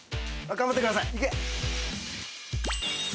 ・頑張ってください・・いけ！